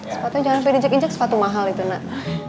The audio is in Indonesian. sepatunya jangan dijek jek sepatu mahal itu nak